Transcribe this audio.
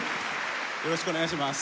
よろしくお願いします。